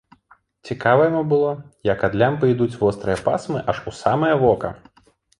Цікава яму было, як ад лямпы ідуць вострыя пасмы аж у самае вока.